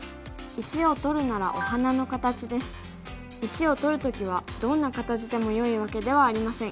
石を取る時はどんな形でもよいわけではありません。